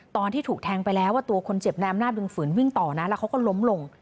ตอนที่ถูกแทงไปแล้วตัวคนเจ็บในอำนาจดึงฝืนวิ่งต่อนะแล้วเขาก็ล้มลง